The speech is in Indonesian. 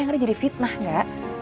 yang ada jadi fitnah enggak